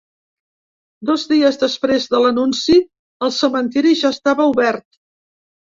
Dos dies després de l’anunci, el cementiri ja estava obert.